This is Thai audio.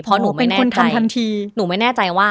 เพราะหนูไม่แน่ใจ